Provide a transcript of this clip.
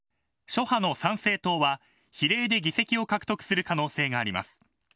諸派の参政党は比例で議席を獲得する可能性があります。